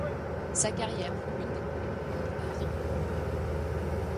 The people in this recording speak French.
Sa carrière fut une des plus longues des navires de l'époque.